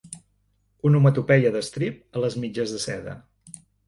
Onomatopeia d'estrip a les mitges de seda.